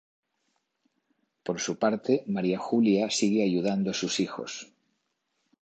Por su parte María Julia sigue ayudando a sus hijos.